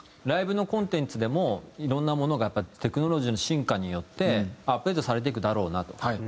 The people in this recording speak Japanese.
ライブのコンテンツでもいろんなものがやっぱテクノロジーの進化によってアップデートされていくだろうなと。